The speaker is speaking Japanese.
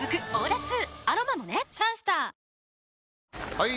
・はい！